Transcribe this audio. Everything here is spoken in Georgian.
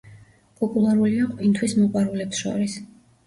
პოპულარულია ყვინთვის მოყვარულებს შორის.